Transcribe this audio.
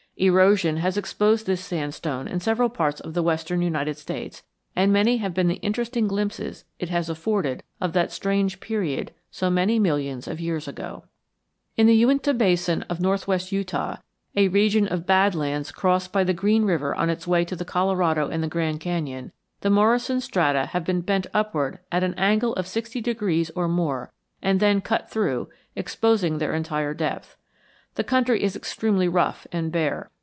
Erosion has exposed this sandstone in several parts of the western United States, and many have been the interesting glimpses it has afforded of that strange period so many millions of years ago. In the Uintah Basin of northwestern Utah, a region of bad lands crossed by the Green River on its way to the Colorado and the Grand Canyon, the Morrison strata have been bent upward at an angle of sixty degrees or more and then cut through, exposing their entire depth. The country is extremely rough and bare.